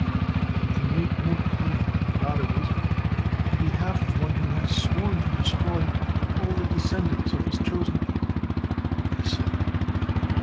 "I can make no claim on the God of Israel on behalf of one who has sworn to destroy all the descendants of His chosen people," he said.